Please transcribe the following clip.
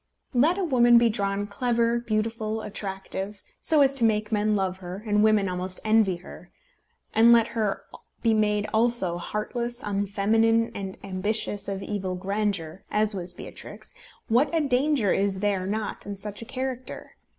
Let a woman be drawn clever, beautiful, attractive, so as to make men love her, and women almost envy her, and let her be made also heartless, unfeminine, and ambitious of evil grandeur, as was Beatrix, what a danger is there not in such a character!